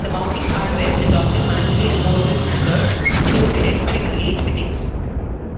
The mounting hardware is often manually removable standard-screw-detent quick-release fittings.